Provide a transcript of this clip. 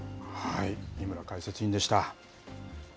井村解説委員でした。